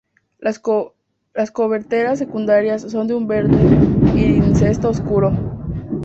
Las coberteras secundarias son de un verde iridiscente oscuro.